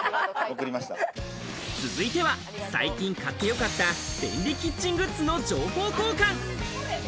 続いては、最近買ってよかった便利キッチングッズの情報交換。